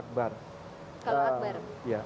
kalau akbar persiapannya sendiri gimana sih sebelumnya